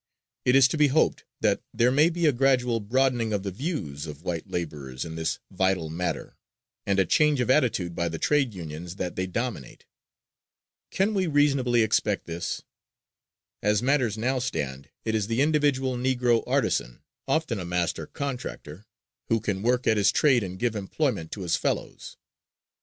It is to be hoped that there may be a gradual broadening of the views of white laborers in this vital matter and a change of attitude by the trade unions that they dominate. Can we reasonably expect this? As matters now stand, it is the individual Negro artisan, often a master contractor, who can work at his trade and give employment to his fellows.